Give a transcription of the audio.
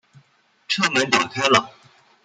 车门打开了